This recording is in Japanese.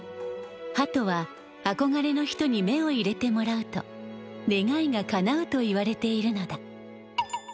ハトはあこがれの人に目を入れてもらうと願いがかなうといわれているのだ。